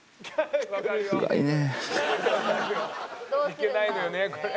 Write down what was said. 「いけないのよねこれ」